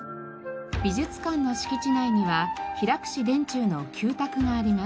美術館の敷地内には平櫛田中の旧宅があります。